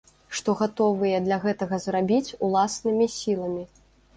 Што гатовыя для гэтага зрабіць уласнымі сіламі?